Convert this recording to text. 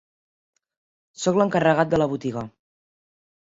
Soc l'encarregat de la botiga.